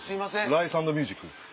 ライスアンドミュージックです。